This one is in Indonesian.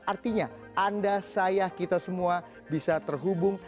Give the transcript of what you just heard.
artinya anda saya kita semua bisa terhubung